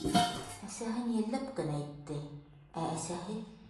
Әсәһен йәлләп кенә әйтте, ә әсәһе